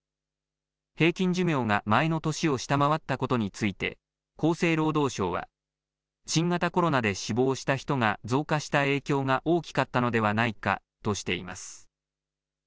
平均寿命が前の年を下回ったことについて厚生労働省は新型コロナで死亡した人が増加した影響が大きかったのではないかとしています。